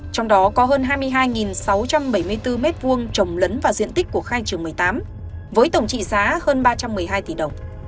trong đó có hơn hai mươi hai sáu trăm bảy mươi bốn m hai trồng lấn và diện tích của khai trường một mươi tám với tổng trị giá hơn ba trăm một mươi hai tỷ đồng